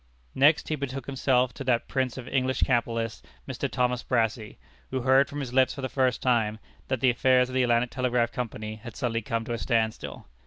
Next, he betook himself to that prince of English capitalists, Mr. Thomas Brassey, who heard from his lips for the first time, that the affairs of the Atlantic Telegraph Company had suddenly come to a standstill.